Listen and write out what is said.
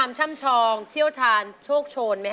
อายุ๒๔ปีวันนี้บุ๋มนะคะ